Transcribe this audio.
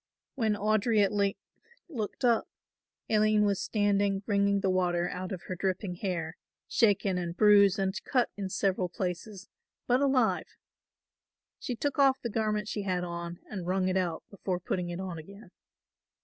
When Audry at length looked up, Aline was standing wringing the water out of her dripping hair, shaken and bruised and cut in several places, but alive. She took off the garment she had on and wrung it out before putting it on again.